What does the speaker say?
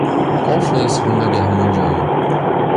Qual foi a Segunda Guerra Mundial?